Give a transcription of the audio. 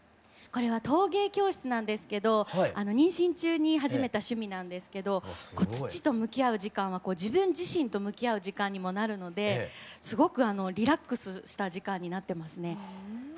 これは陶芸教室なんですけど妊娠中に始めた趣味なんですけど土と向き合う時間は自分自身と向き合う時間にもなるのですごくリラックスした時間になってますね。